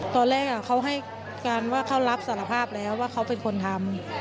ตอนแรกเขาให้การว่าเขารับสารภาพแล้วว่าเขาเป็นคนทำ